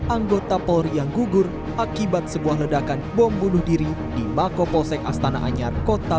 anggota polri yang gugur akibat sebuah ledakan bom bunuh diri di mako polsek astana anyar kota